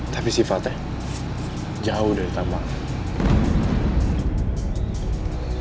tapi sifatnya jauh dari tambang